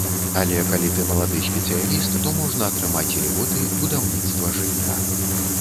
Але калі ты малады спецыяліст, то можна атрымаць ільготы, будаўніцтва жылля.